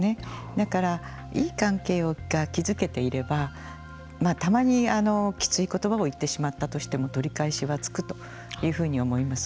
だから、いい関係が築けていればたまに、きつい言葉を言ってしまったとしても取り返しはつくというふうに思います。